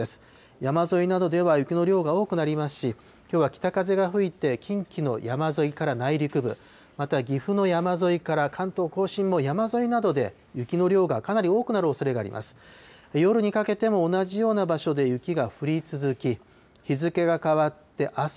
山沿いなどでは雪の量が多くなりますし、きょうは北風が吹いて、近畿の山沿いから内陸部、また岐阜の山沿いから関東甲信も山沿いなどで、雪の量がかなり多くなるおそれがあります。